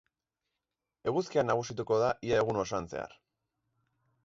Eguzkia nagusituko da ia egun osoan zehar.